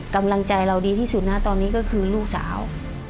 กำลังใจเราดีที่สุดนะตอนนี้ก็คือลูกสาว